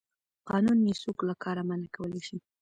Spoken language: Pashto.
قانون یو څوک له کار منع کولی شي.